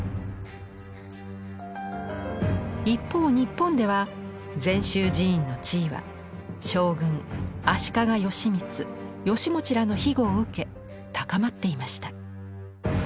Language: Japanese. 一方日本では禅宗寺院の地位は将軍足利義満・義持らの庇護を受け高まっていました。